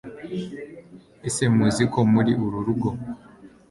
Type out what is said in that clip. ese muzi ko muri uru rugo